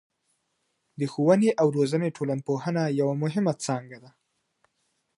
د ښووني او روزني ټولنپوهنه یوه مهمه څانګه ده.